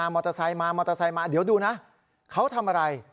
มอเตอร์ไซค์มาเดี๋ยวดูนะเขาทำอะไร